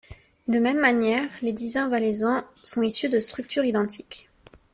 De même manière, les dizains valaisans sont issus de structures identiques.